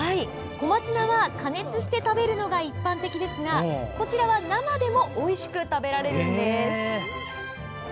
小松菜は加熱して食べるのが一般的ですがこちらは生でもおいしく食べられるんです。